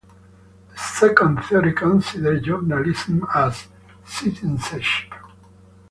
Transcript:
The second theory considers journalism "as" citizenship.